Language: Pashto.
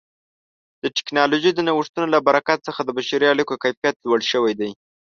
د ټکنالوژۍ د نوښتونو له برکت څخه د بشري اړیکو کیفیت لوړ شوی دی.